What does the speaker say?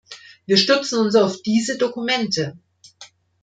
Wir stützen uns auf diese Dokumente.